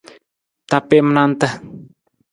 Tapiim nanta.